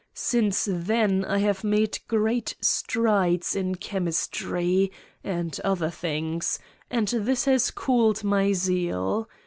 Since then I have made great strides in chemistry and other things and this has cooled my zeal.